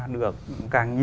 nửa phần nửa phần nửa phần